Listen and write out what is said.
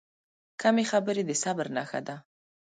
کمې خبرې، د صبر نښه ده.